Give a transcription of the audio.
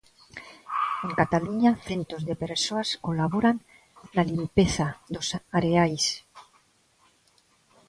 En Cataluña, centos de persoas colaboran na limpeza dos areais.